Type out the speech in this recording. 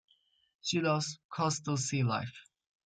She loves coastal sea life.